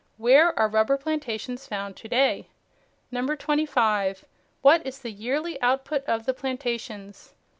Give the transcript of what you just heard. Where are rubber plantations found to day? 25. What is the yearly output of the plantations?